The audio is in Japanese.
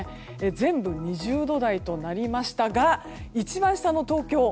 全部、２０度台となりましたが一番下の東京